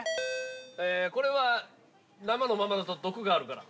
ええこれは生のままだと毒があるから。